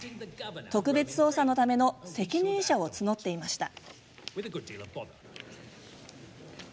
特別捜査のための責任者を募っていました。